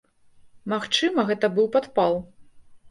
Магчыма, гэта быў падпал.